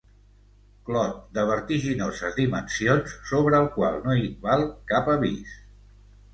Clot de vertiginoses dimensions, sobre el qual no hi val cap avís.